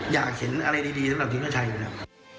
อยากเห็นอะไรดีสำหรับทีมชาชาย